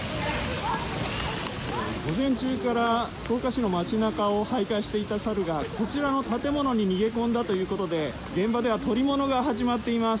午前中から福岡市の街中を徘徊していたサルがこちらの建物に逃げ込んだということで現場では捕物が始まっています。